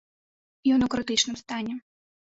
Ён у крытычным стане.